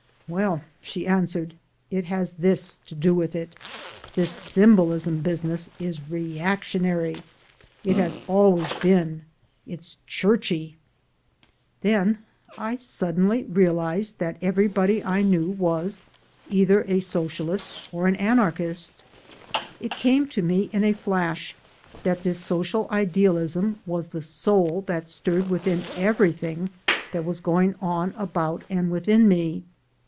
"Well," she answered, "it has this to do with it. This symbolism business is reactionary. It has always been. It's churchy." Then I suddenly realized that everybody I knew was either a socialist or an anarchist. It came to me in a flash that this social idealism was the soul that stirred within everything that was going on about and within me.